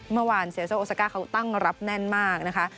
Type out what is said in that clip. เมื่อวานเสียโซโอซาก้าเขาตั้งรับแน่นมากนะคะ